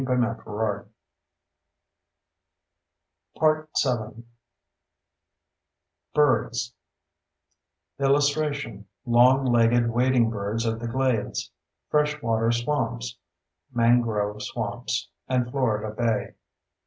[Illustration: MANATEE] Birds [Illustration: LONG LEGGED WADING BIRDS OF THE GLADES, FRESH WATER SWAMPS, MANGROVE SWAMPS, AND FLORIDA BAY.